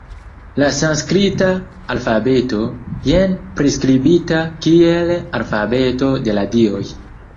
La sanskrita alfabeto, jen priskribita kiel “alfabeto de la Dioj”.